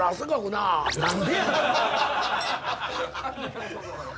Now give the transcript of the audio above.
何でや！